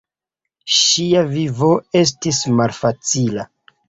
Ŝia vivo estis malfacila.